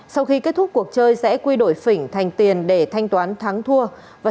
sau khi kết thúc cuộc chơi sẽ quy đổi phỉnh thành tiền để thanh toán thắng thua